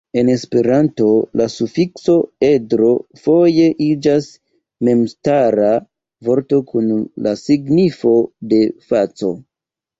En Esperanto, la sufikso "edro" foje iĝas memstara vorto kun la signifo de faco.